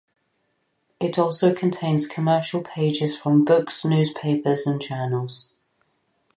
It also contains commercial pages from books, newspapers, and journals.